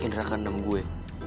indera kandem gue